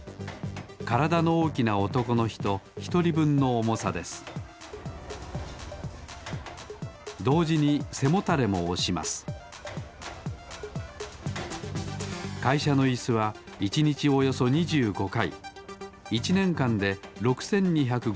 からだのおおきなおとこのひとひとりぶんのおもさですどうじにせもたれもおしますかいしゃのイスは１にちおよそ２５かい１ねんかんで６，２５０かい